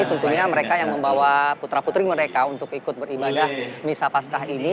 tentunya mereka yang membawa putra putri mereka untuk ikut beribadah misa paskah ini